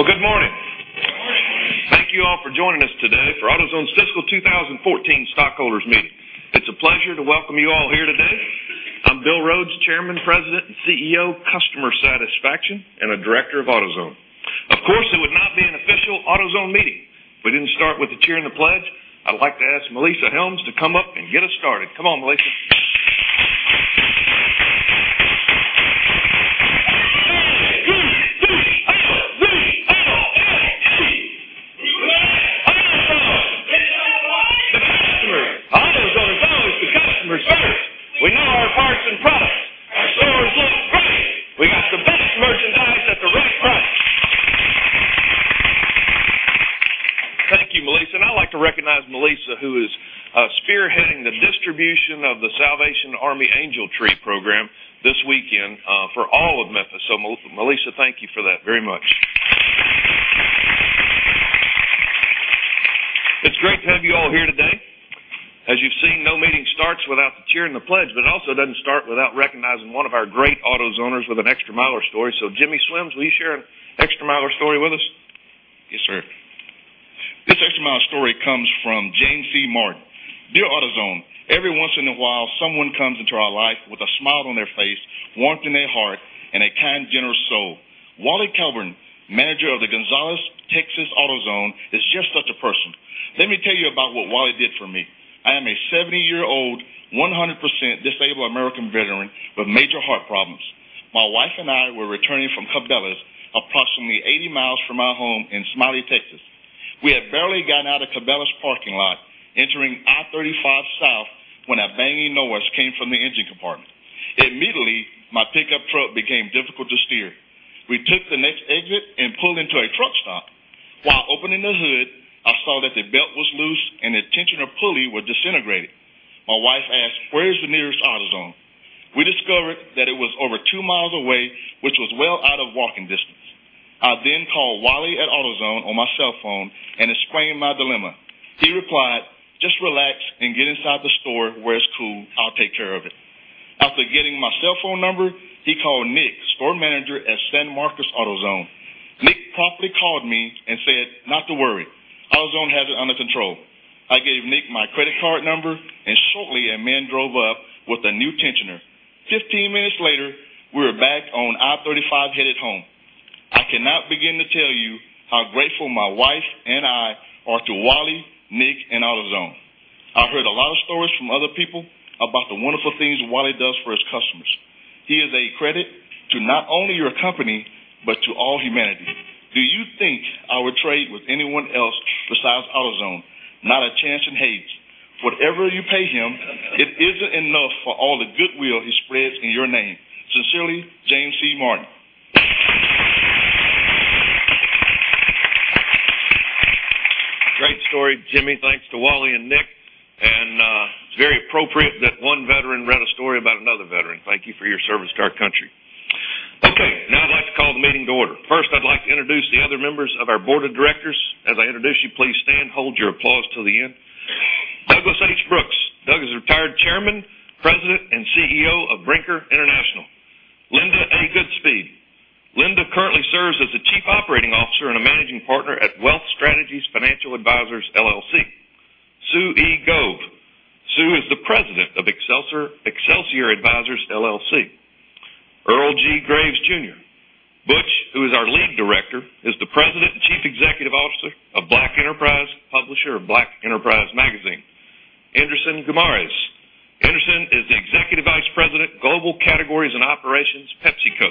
Well, good morning. Good morning. Thank you all for joining us today for AutoZone's fiscal 2014 stockholders meeting. It's a pleasure to welcome you all here today. I'm Bill Rhodes, Chairman, President, and CEO, Customer Satisfaction, and a Director of AutoZone. Of course, it would not be an official AutoZone meeting if we didn't start with the cheering the pledge. I'd like to ask Melissa Helms to come up and get us started. Come up, Melissa. One. Two. Three. Four. Three. Four. One, two. Who loves. AutoZone. You know what? The customers. AutoZone is always the customer first. We know our parts and products. Our stores look great. We've got the best merchandise at the right price. Thank you, Melissa, and I'd like to recognize Melissa, who is spearheading the distribution of The Salvation Army Angel Tree program this weekend for all of Memphis. Melissa, thank you for that very much. It's great to have you all here today. As you've seen, no meeting starts without the cheering the pledge, it also doesn't start without recognizing one of our great AutoZoners with an extra-miler story. Jimmy Swims, will you share an extra-miler story with us? Yes, sir. This extra-miler story comes from James C. Martin. "Dear AutoZone, every once in a while, someone comes into our life with a smile on their face, warmth in their heart, and a kind, generous soul. Wally Calburn, manager of the Gonzales, Texas AutoZone, is just such a person. Let me tell you about what Wally did for me. I am a 70-year-old, 100% disabled American veteran with major heart problems. My wife and I were returning from Cabela's, approximately 80 miles from our home in Smiley, Texas. We had barely gotten out of Cabela's parking lot, entering I-35 South, when a banging noise came from the engine compartment. Immediately, my pickup truck became difficult to steer. We took the next exit and pulled into a truck stop. While opening the hood, I saw that the belt was loose and the tensioner pulley were disintegrated. My wife asked, 'Where is the nearest AutoZone?' We discovered that it was over two miles away, which was well out of walking distance. I called Wally at AutoZone on my cell phone and explained my dilemma. He replied, 'Just relax and get inside the store where it's cool, I'll take care of it.' After getting my cell phone number, he called Nick, store manager at San Marcos AutoZone. Nick promptly called me and said not to worry, AutoZone has it under control. I gave Nick my credit card number, and shortly a man drove up with a new tensioner. 15 minutes later, we were back on I-35 headed home. I cannot begin to tell you how grateful my wife and I are to Wally, Nick, and AutoZone. I've heard a lot of stories from other people about the wonderful things Wally does for his customers. He is a credit to not only your company but to all humanity. Do you think I would trade with anyone else besides AutoZone? Not a chance in hate. Whatever you pay him, it isn't enough for all the goodwill he spreads in your name. Sincerely, James C. Martin. Great story, Jimmy. Thanks to Wally and Nick. It's very appropriate that one veteran read a story about another veteran. Thank you for your service to our country. Okay, now I'd like to call the meeting to order. First, I'd like to introduce the other members of our board of directors. As I introduce you, please stand, hold your applause till the end. Douglas H. Brooks. Doug is a retired chairman, president, and CEO of Brinker International. Linda A. Goodspeed. Linda currently serves as the Chief Operating Officer and a Managing Partner at Wealth Strategies Financial Advisors LLC. Sue E. Gove. Sue is the President of Excelsior Advisors LLC. Earl G. Graves, Jr. Butch, who is our lead director, is the President and Chief Executive Officer of Black Enterprise, publisher of Black Enterprise Magazine. Anderson Guimaraes. Anderson is the Executive Vice President, Global Categories and Operations, PepsiCo.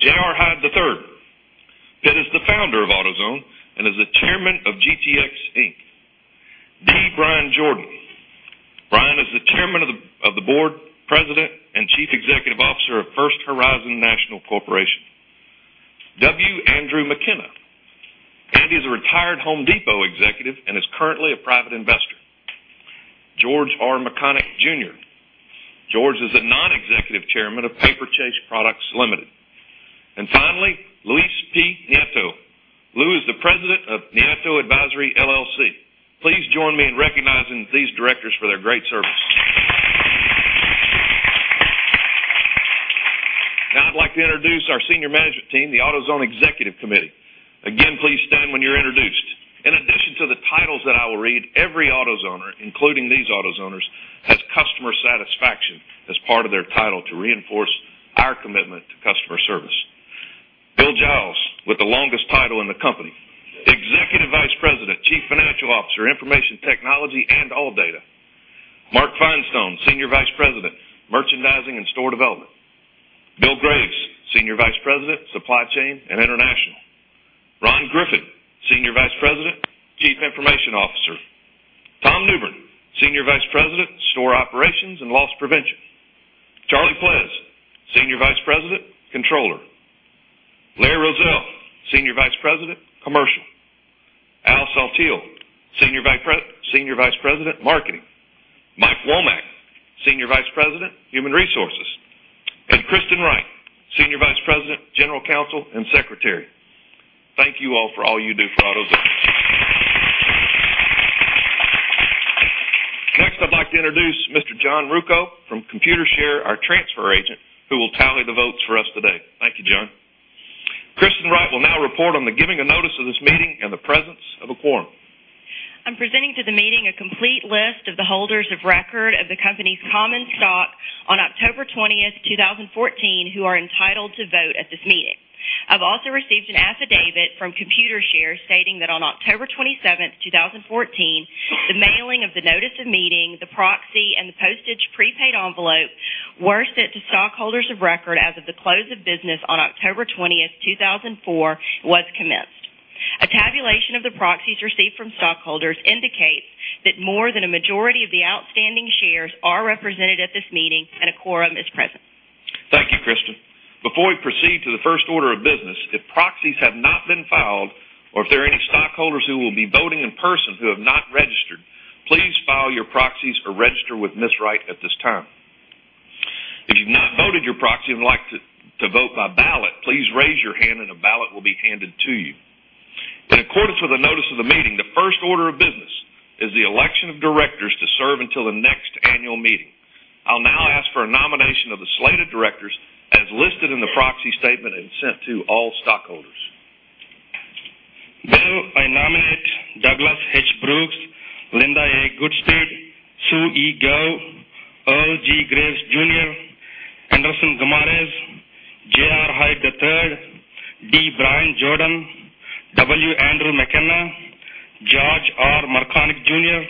J.R. Hyde III. Pitt is the founder of AutoZone and is the Chairman of GTx, Inc. D. Bryan Jordan. Bryan is the Chairman of the Board, President, and Chief Executive Officer of First Horizon National Corporation. W. Andrew McKenna. Andy is a retired The Home Depot executive and is currently a private investor. George R. Mrkonic Jr. George is the Non-Executive Chairman of Paperchase Products Limited. Finally, Luis P. Nieto. Lou is the President of Nieto Advisory LLC. Please join me in recognizing these directors for their great service. Now I'd like to introduce our senior management team, the AutoZone Executive Committee. Again, please stand when you're introduced. In addition to the titles that I will read, every AutoZoner, including these AutoZoners, has customer satisfaction as part of their title to reinforce our commitment to customer service. Bill Giles, with the longest title in the company, Executive Vice President, Chief Financial Officer, Information Technology, and ALLDATA. Mark Finestone, Senior Vice President, Merchandising and Store Development. Bill Graves, Senior Vice President, Supply Chain and International. Ron Griffin, Senior Vice President, Chief Information Officer. Tom Newbern, Senior Vice President, Store Operations and Loss Prevention. Charlie Pleas, Senior Vice President, Controller. Larry Roesel, Senior Vice President, Commercial. Al Saltiel, Senior Vice President, Marketing. Mike Womack, Senior Vice President, Human Resources, and Kristen Wright, Senior Vice President, General Counsel, and Secretary. Thank you all for all you do for AutoZone. Next, I'd like to introduce Mr. John Ruco from Computershare, our transfer agent, who will tally the votes for us today. Thank you, John. Kristen Wright will now report on the giving of notice of this meeting and the presence of a quorum. I'm presenting to the meeting a complete list of the holders of record of the company's common stock on October 20th, 2014, who are entitled to vote at this meeting. I've also received an affidavit from Computershare stating that on October 27th, 2014, the mailing of the notice of meeting, the proxy, and the postage prepaid envelope were sent to stockholders of record as of the close of business on October 20th, 2004, was commenced. A tabulation of the proxies received from stockholders indicates that more than a majority of the outstanding shares are represented at this meeting, and a quorum is present. Thank you, Kristen. Before we proceed to the first order of business, if proxies have not been filed or if there are any stockholders who will be voting in person who have not registered, please file your proxies or register with Ms. Wright at this time. If you've not voted your proxy and would like to vote by ballot, please raise your hand and a ballot will be handed to you. In accordance with the notice of the meeting, the first order of business is the election of directors to serve until the next annual meeting. I'll now ask for a nomination of the slate of directors as listed in the proxy statement and sent to all stockholders. Bill, I nominate Douglas H. Brooks, Linda A. Goodspeed, Sue E. Gove, Earl G. Graves, Jr., Enderson Guimaraes, J.R. Hyde III, D. Bryan Jordan, W. Andrew McKenna, George R. Mrkonic Jr.,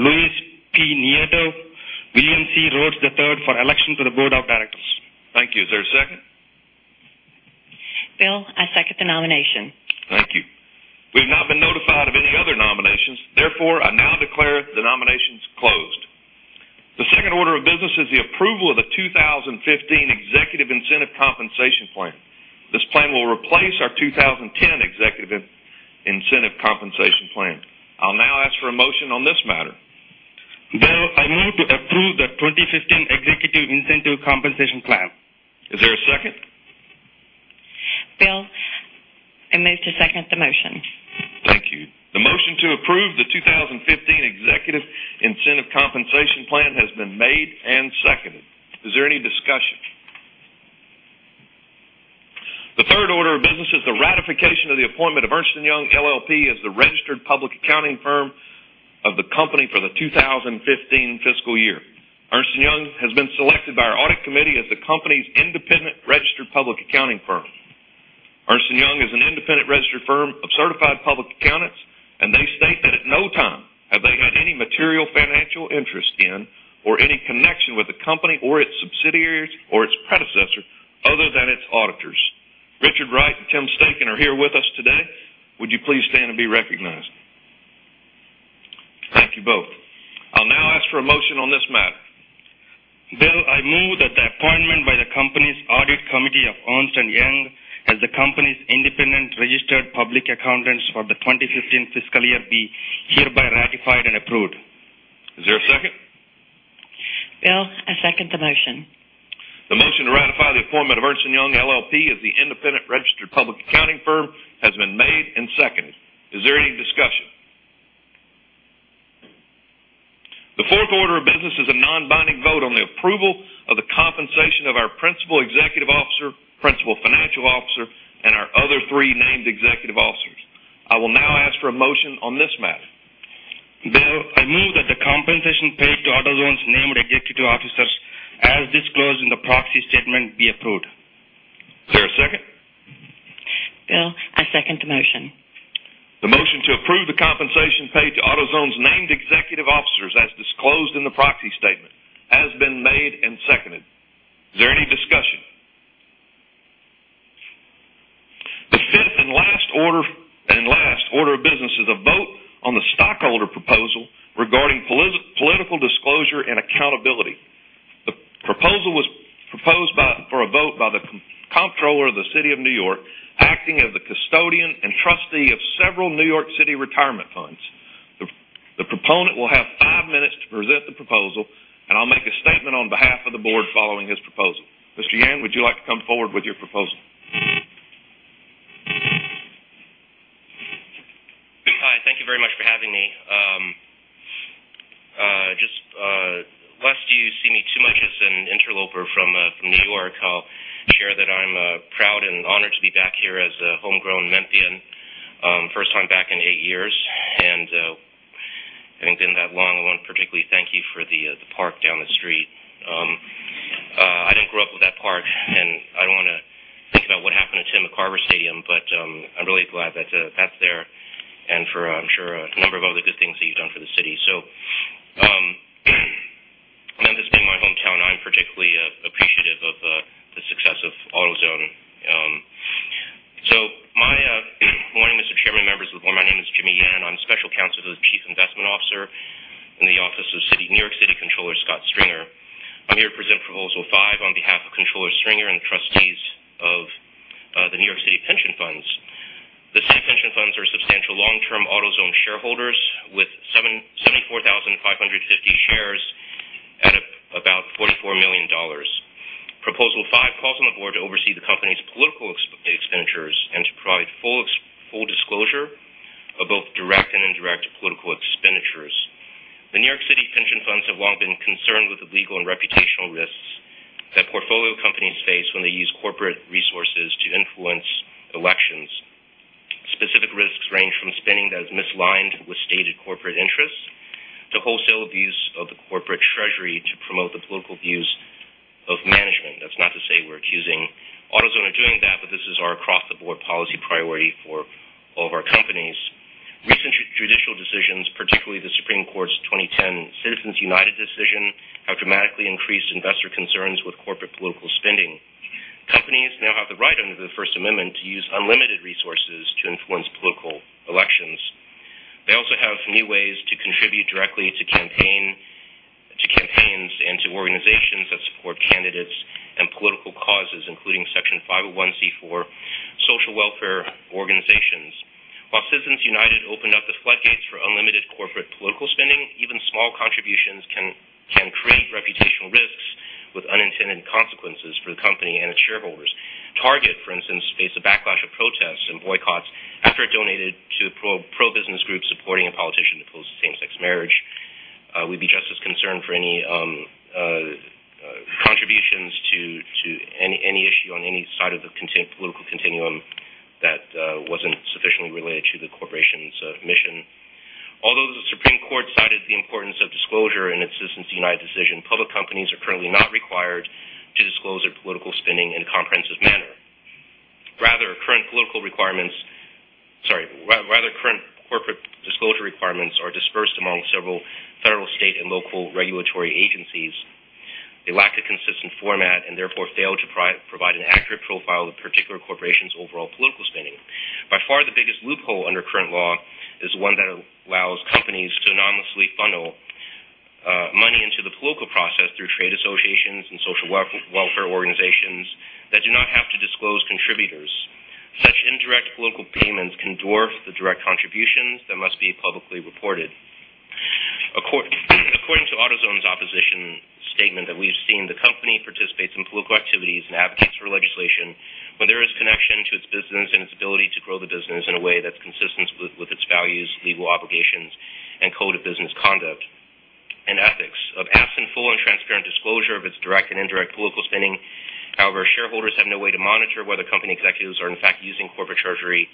Luis P. Nieto, William C. Rhodes, III for election to the board of directors. Thank you. Is there a second? Bill, I second the nomination. Thank you. We've not been notified of any other nominations. I now declare the nominations closed. The second order of business is the approval of the 2015 Executive Incentive Compensation Plan. This plan will replace our 2010 Executive Incentive Compensation Plan. I'll now ask for a motion on this matter. Bill, I move to approve the 2015 Executive Incentive Compensation Plan. Is there a second? Bill, I move to second the motion. Thank you. The motion to approve the 2015 Executive Incentive Compensation Plan has been made and seconded. Is there any discussion? The third order of business is the ratification of the appointment of Ernst & Young LLP as the registered public accounting firm of the company for the 2015 fiscal year. Ernst & Young has been selected by our audit committee as the company's independent registered public accounting firm. Ernst & Young is an independent registered firm of certified public accountants, and they state that at no time have they had any material financial interest in or any connection with the company or its subsidiaries or its predecessor other than its auditors. Richard Wright and Tim Stakem are here with us today. Would you please stand and be recognized? Thank you both. I'll now ask for a motion on this matter. Bill, I move that the appointment by the company's audit committee of Ernst & Young as the company's independent registered public accountants for the 2015 fiscal year be hereby ratified and approved. Is there a second? Bill, I second the motion. The motion to ratify the appointment of Ernst & Young LLP as the independent registered public accounting firm has been made and seconded. Is there any discussion? The fourth order of business is a non-binding vote on the approval of the compensation of our principal executive officer, principal financial officer, and our other three named executive officers. I will now ask for a motion on this matter. Bill, I move that the compensation paid to AutoZone's named executive officers, as disclosed in the proxy statement, be approved. Is there a second? Bill, I second the motion. The motion to approve the compensation paid to AutoZone's named executive officers, as disclosed in the proxy statement, has been made and seconded. Is there any discussion? The fifth and last order of business is a vote on the stockholder proposal regarding political disclosure and accountability. The proposal was proposed for a vote by the Comptroller of the City of New York, acting as the custodian and trustee of several New York City retirement funds. The proponent will have 5 minutes to present the proposal, and I'll make a statement on behalf of the board following his proposal. Mr. Yan, would you like to come forward with your proposal? Hi. Thank you very much for having me. Just lest you see me too much as an interloper from New York, I'll share that I'm proud and honored to be back here as a homegrown Memphian. First time back in 8 years, and having been that long, I want to particularly thank you for the park down the street. I didn't grow up with that park, and I don't want to think about what happened to Tim McCarver Stadium, but I'm really glad that that's there and for, I'm sure, a number of other good things that you've done for the city. And understanding my hometown, I'm particularly appreciative of the success of AutoZone. Good morning, Mr. Chairman, members of the board. My name is Jimmy Yan. I'm special counsel to the chief investment officer in the office of New York City Comptroller Scott Stringer. I'm here to present Proposal Five on behalf of Comptroller Stringer and the trustees of the New York City pension funds. The city pension funds are substantial long-term AutoZone shareholders with 74,550 shares. Proposal five calls on the board to oversee the company's political expenditures and to provide full disclosure of both direct and indirect political expenditures. The New York City pension funds have long been concerned with the legal and reputational risks that portfolio companies face when they use corporate resources to influence elections. Specific risks range from spending that is misaligned with stated corporate interests to wholesale abuse of the corporate treasury to promote the political views of management. That's not to say we're accusing AutoZone of doing that, but this is our across-the-board policy priority for all of our companies. Recent judicial decisions, particularly the Supreme Court's 2010 Citizens United decision, have dramatically increased investor concerns with corporate political spending. Companies now have the right under the First Amendment to use unlimited resources to influence political elections. They also have new ways to contribute directly to campaigns and to organizations that support candidates and political causes, including Section 501(c)(4) social welfare organizations. While Citizens United opened up the floodgates for unlimited corporate political spending, even small contributions can create reputational risks with unintended consequences for the company and its shareholders. Target, for instance, faced a backlash of protests and boycotts after it donated to pro-business groups supporting a politician that opposed same-sex marriage. We'd be just as concerned for any contributions to any issue on any side of the political continuum that wasn't sufficiently related to the corporation's mission. Although the Supreme Court cited the importance of disclosure in its Citizens United decision, public companies are currently not required to disclose their political spending in a comprehensive manner. Rather, current corporate disclosure requirements are dispersed among several federal, state, and local regulatory agencies. They lack a consistent format and therefore fail to provide an accurate profile of a particular corporation's overall political spending. By far, the biggest loophole under current law is one that allows companies to anonymously funnel money into the political process through trade associations and social welfare organizations that do not have to disclose contributors. Such indirect political payments can dwarf the direct contributions that must be publicly reported. According to AutoZone's opposition statement that we've seen, the company participates in political activities and advocates for legislation when there is connection to its business and its ability to grow the business in a way that's consistent with its values, legal obligations, and code of business conduct and ethics. Absent full and transparent disclosure of its direct and indirect political spending, however, shareholders have no way to monitor whether company executives are in fact using the corporate treasury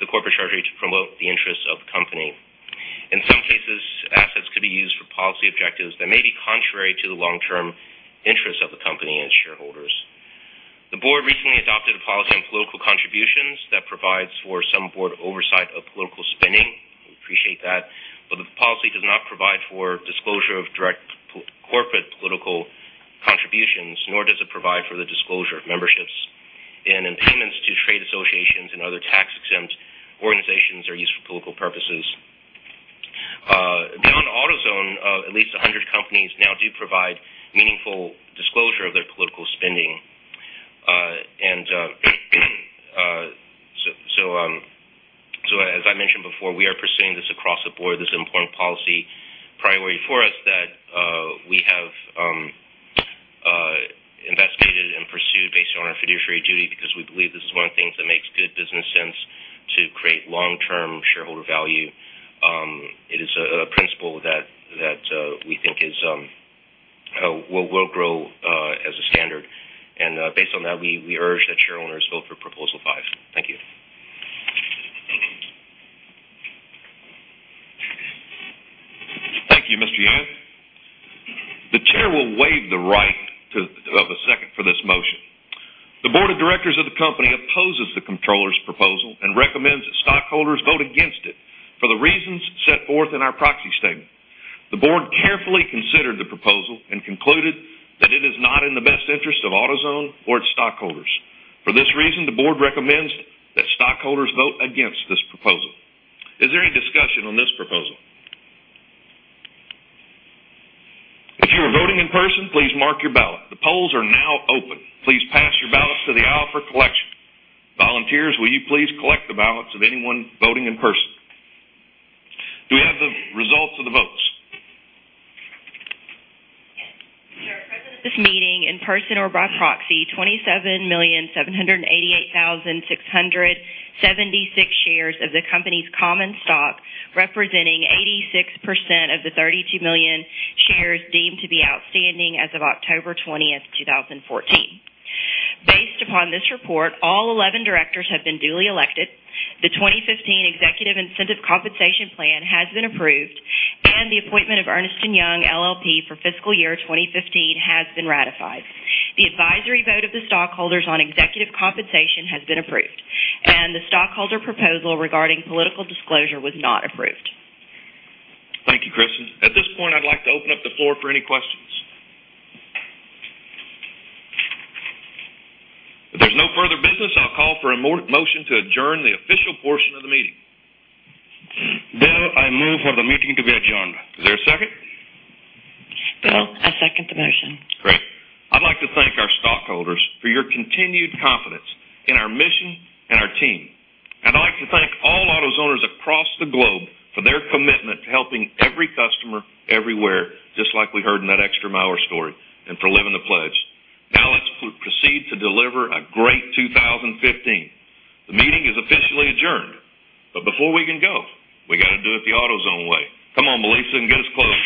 to promote the interests of the company. In some cases, assets could be used for policy objectives that may be contrary to the long-term interests of the company and its shareholders. The board recently adopted a policy on political contributions that provides for some board oversight of political spending. We appreciate that, the policy does not provide for disclosure of direct corporate political contributions, nor does it provide for the disclosure of memberships and payments to trade associations and other tax-exempt organizations or use for political purposes. Beyond AutoZone, at least 100 companies now do provide meaningful disclosure of their political spending. As I mentioned before, we are pursuing this across the board. This is an important policy priority for us that we have investigated and pursued based on our fiduciary duty because we believe this is one of the things that makes good business sense to create long-term shareholder value. It is a principle that we think will grow as a standard, and based on that, we urge that shareholders vote for proposal five. Thank you. Thank you, Mr. Yan. The Board of Directors will waive the right of a second for this motion. The Board of Directors of the company opposes the Comptroller's proposal and recommends that stockholders vote against it for the reasons set forth in our proxy statement. The Board carefully considered the proposal and concluded that it is not in the best interest of AutoZone or its stockholders. For this reason, the Board recommends that stockholders vote against this proposal. Is there any discussion on this proposal? If you are voting in person, please mark your ballot. The polls are now open. Please pass your ballots to the aisle for collection. Volunteers, will you please collect the ballots of anyone voting in person? Do we have the results of the votes? Yes. There are present at this meeting, in person or by proxy, 27,788,676 shares of the company's common stock, representing 86% of the 32 million shares deemed to be outstanding as of October 20th, 2014. Based upon this report, all 11 Directors have been duly elected, the 2015 Executive Incentive Compensation Plan has been approved, and the appointment of Ernst & Young LLP for fiscal year 2015 has been ratified. The advisory vote of the stockholders on executive compensation has been approved, and the stockholder proposal regarding political disclosure was not approved. Thank you, Kristen. At this point, I'd like to open up the floor for any questions. If there's no further business, I'll call for a motion to adjourn the official portion of the meeting. Bill, I move for the meeting to be adjourned. Is there a second? Bill, I second the motion. Great. I'd like to thank our stockholders for your continued confidence in our mission and our team. I'd like to thank all AutoZoners across the globe for their commitment to helping every customer everywhere, just like we heard in that extra mile story, and for living the pledge. Now let's proceed to deliver a great 2015. The meeting is officially adjourned. Before we can go, we got to do it the AutoZone way. Come on, Melissa, and get us closed.